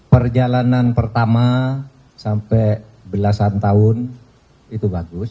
perjalanan pertama sampai belasan tahun itu bagus